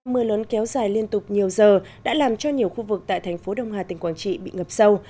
mưa lớn kéo dài liên tục nhiều giờ đã làm cho nhiều khu vực tại thành phố đông hà tỉnh quảng trị bị ngập sâu